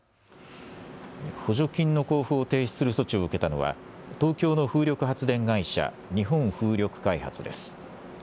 補助金の交付を停止する措置を受けたのは東京の風力発電会社、日本風力開発です。